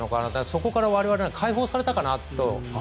そこから我々が解放されたかなと。